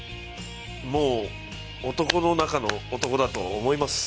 もう男の中の男だと思います。